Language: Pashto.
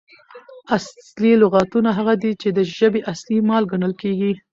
اصلي لغاتونه هغه دي، چي د ژبي اصلي مال ګڼل کیږي.